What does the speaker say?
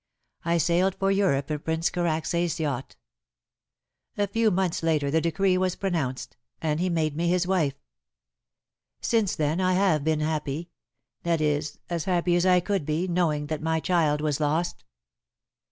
I sailed for Europe in Prince Karacsay's yacht. A few months later the decree was pronounced, and he made me his wife. Since then I have been happy that is as happy as I could be, knowing that my child was lost."